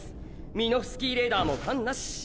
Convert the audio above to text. ミノフスキーレーダーも感なし。